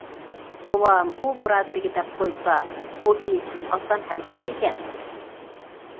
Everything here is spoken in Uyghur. بوۋام ئۇ بۇرادىرىگە دەپ قويسا، بۇ ئىش ئاسان ھەل بولىدىكەن.